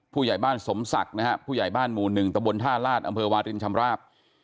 ผู้ใหญ่บ้านสมศักดิ์นะฮะผู้ใหญ่บ้านหมู่๑ตะบนท่าลาศอำเภอวารินชำราบ